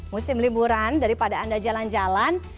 musim liburan daripada anda jalan jalan